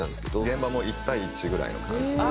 現場も１対１ぐらいの感じで。